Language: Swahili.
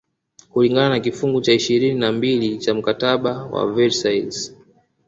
kulingana na kifungu cha ishirini na mbili cha mkataba wa Versailles